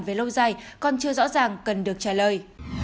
về lâu dài còn chưa rõ ràng cần được trả lời